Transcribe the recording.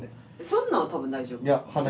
そんなんは多分大丈夫。